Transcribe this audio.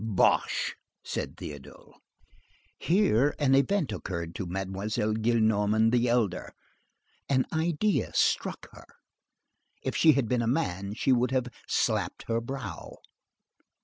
"Bosh!" said Théodule. Here an event occurred to Mademoiselle Gillenormand the elder,—an idea struck her. If she had been a man, she would have slapped her brow.